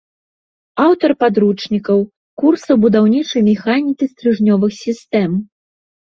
Аўтар падручнікаў, курсаў будаўнічай механікі стрыжнёвых сістэм.